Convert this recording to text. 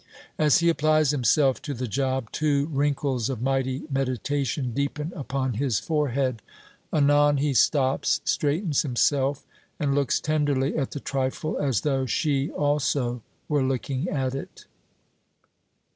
As he applies himself to the job, two wrinkles of mighty meditation deepen upon his forehead. Anon he stops, straightens himself, and looks tenderly at the trifle, as though she also were looking at it.